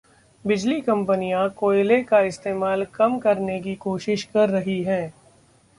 बिजली कम्पनियाँ कोयले का इस्तेमाल कम करने की कोशिश कर रही हैं।